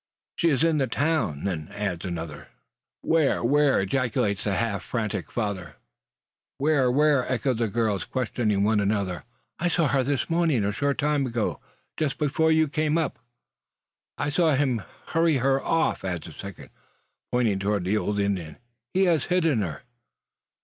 "She is in the town, then," adds another. "Where? where?" ejaculates the halt frantic father. "Where? where?" echo the girls, questioning one another. "I saw her this morning, a short time ago, just before you came up." "I saw him hurry her off," adds a second, pointing upward to the old Indian. "He has hidden her."